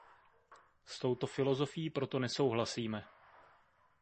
S touto filozofií proto nesouhlasíme.